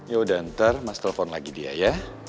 ya udah ntar mas telpon lagi dia ya